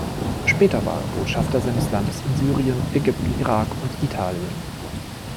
Später war er Botschafter seines Landes in Syrien, Ägypten, Irak und Italien.